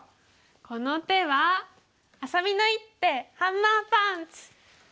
この手はあさみの一手ハンマーパンチ！